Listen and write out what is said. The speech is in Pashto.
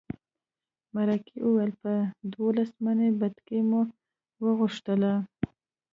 مرکې وویل په دولس منه بتکۍ مو وغوښتله.